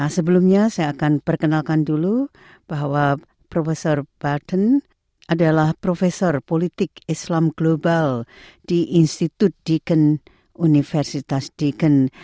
sebelumnya saya akan perkenalkan dulu bahwa profesor baden adalah profesor politik islam global di institut deakin universitas deakin